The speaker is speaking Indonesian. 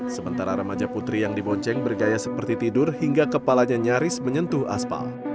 sementara remaja putri yang dibonceng bergaya seperti tidur hingga kepalanya nyaris menyentuh aspal